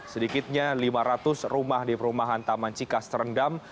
sedikitnya lima ratus rumah di perumahan taman cikas terendam